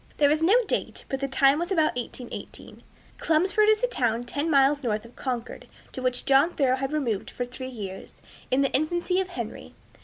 There is no date, but the time was about 1818. Chelmsford is a town ten miles north of Concord, to which John Thoreau had removed for three years, in the infancy of Henry.